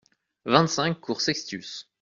vingt-cinq cours Sextius